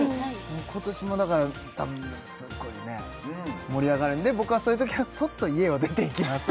今年もだからたぶんすっごいね盛り上がるんで僕はそういうときはそっと家を出ていきます